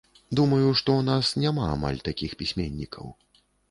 Думаю, што ў нас няма амаль такіх пісьменнікаў.